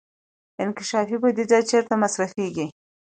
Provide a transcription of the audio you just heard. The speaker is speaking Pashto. انکشافي بودجه چیرته مصرفیږي؟